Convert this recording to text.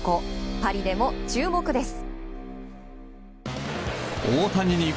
パリでも注目です。